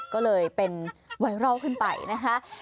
ก็เลยเป็นไวรัลขึ้นไปนะคะ